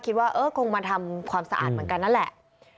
คิดว่าเออคงมาทำความสะอาดเหมือนกันนั่นแหละ